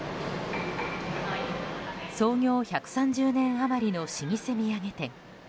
創業１３０年余りの老舗土産店。